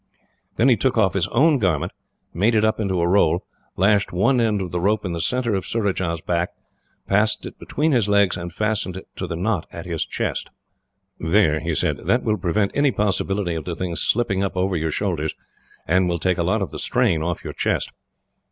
Then he took off his own garment, made it up into a roll, lashed one end to the rope in the centre of Surajah's back, passed it between his legs and fastened it to the knot at his chest. "There," he said; "that will prevent any possibility of the thing slipping up over your shoulders, and will take a lot of the strain off your chest."